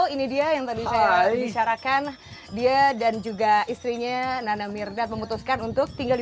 ini dia yang tadi saya bicarakan dia dan juga istrinya nana mirdad memutuskan untuk tinggal di